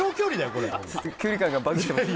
これ距離感がバグってますね